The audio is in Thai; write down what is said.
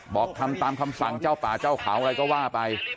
บอกทำตามคำสั่งเจ้าป่าเจ้าเขาอะไรก็ว่าไป